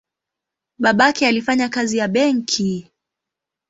Babake alifanya kazi ya benki.